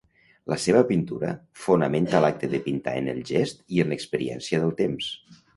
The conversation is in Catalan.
La seva pintura fonamenta l'acte de pintar en el gest i en l'experiència del temps.